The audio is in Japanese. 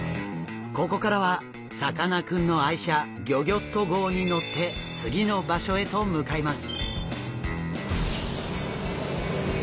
ここからはさかなクンの愛車ギョギョッと号に乗って次の場所へと向かいます。